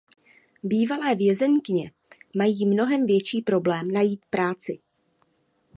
Bývalé vězenkyně mají mnohem větší problém najít práci.